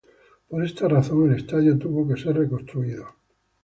Por esta razón el estadio tuvo que ser reconstruido.